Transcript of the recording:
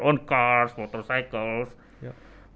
atau kendaraan mereka sendiri atau